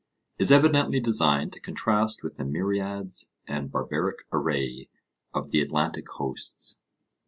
is evidently designed to contrast with the myriads and barbaric array of the Atlantic hosts.